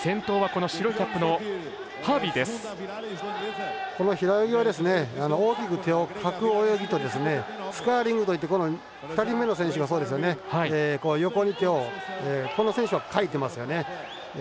この平泳ぎは大きく手をかく泳ぎとスカーリングといって２人目の選手がそうですよね。横に手をこの選手はかいていますよね。